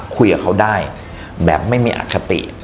คุยกับเขาได้แบบไม่มีอคติ